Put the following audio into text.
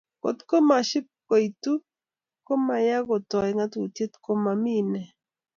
Kotko mashipkoitu ko maya ketoy katuyet komami inee